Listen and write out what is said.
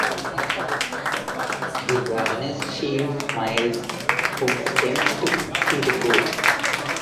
The governess shields Miles, who attempts to see the ghost.